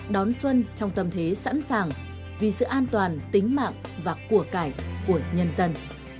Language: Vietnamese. đón xuân trong tâm thế sẵn sàng vì sự an toàn tính mạng và của cải của nhân dân